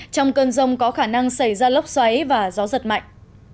trong cơn rông có khả năng xảy ra lốc xoáy và gió giật mạnh